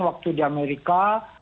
waktu di amerika